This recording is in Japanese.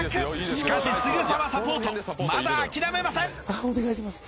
しかしすぐさまサポートまだ諦めませんお願いします